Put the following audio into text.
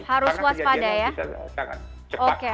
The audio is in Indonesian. harus waspada ya